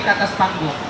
ke atas panggung